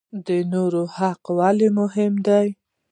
د نورو حقوق ولې مهم دي؟